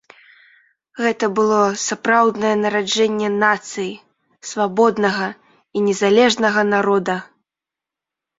Гэта было сапраўднае нараджэнне нацыі, свабоднага і незалежнага народа.